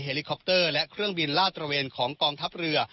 ลิคอปเตอร์และเครื่องบินลาดตระเวนของกองทัพเรือ